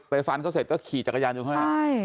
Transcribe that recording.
ฟันเขาเสร็จก็ขี่จักรยานยนต์ข้างใน